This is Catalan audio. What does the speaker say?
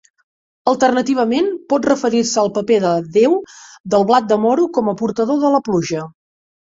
Alternativament, pot referir-se al paper del déu del blat de moro com a portador de la pluja.